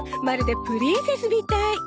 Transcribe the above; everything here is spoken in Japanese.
まるでプリンセスみたい！